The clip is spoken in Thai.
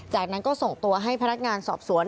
จากนั้นก็ส่งตัวให้พนักงานสอบสวน